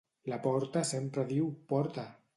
La porta sempre diu: porta!